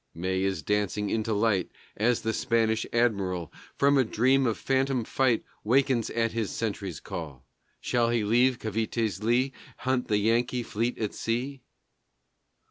May is dancing into light As the Spanish Admiral From a dream of phantom fight Wakens at his sentry's call. Shall he leave Cavité's lee, Hunt the Yankee fleet at sea?